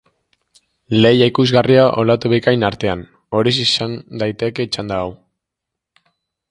Lehia ikusgarria olatu bikain artean, horixe izan daiteke txanda hau.